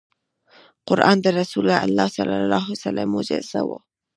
قرآن د رسول الله ص معجزه وه .